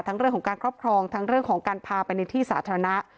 เรื่องของการครอบครองทั้งเรื่องของการพาไปในที่สาธารณะ